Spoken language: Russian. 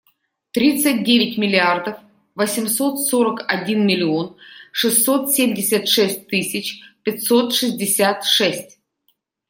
Тридцать девять миллиардов восемьсот сорок один миллион шестьсот семьдесят шесть тысяч пятьсот шестьдесят шесть.